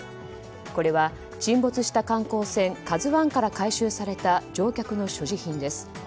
これは沈没した観光船「ＫＡＺＵ１」から回収された乗客の所持品です。